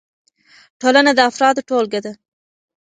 ټولنه د افرادو ټولګه ده.